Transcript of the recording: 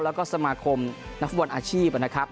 แล้วก็สมาคมนักฟุตบอลอาชีพนะครับ